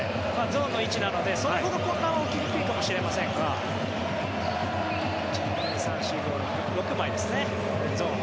ゾーンの位置なのでそれほど混乱は起きにくいかもしれませんが６枚ですね、ゾーン。